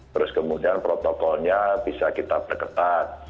terus kemudian protokolnya bisa kita perketat